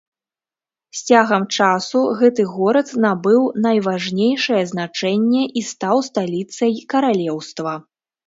З цягам часу гэты горад набыў найважнейшае значэнне і стаў сталіцай каралеўства.